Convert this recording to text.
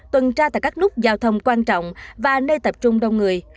tuần tra tại các nút giao thông quan trọng và nơi tập trung đông người